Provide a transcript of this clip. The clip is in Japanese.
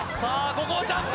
ここはジャンプ！